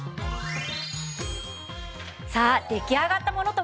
さあ出来上がったものとは。